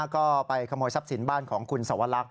ก็ไปขโมยทรัพย์สินบ้านของคุณสวรรค